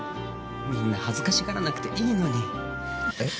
みんな恥ずかしがらなくていいのに。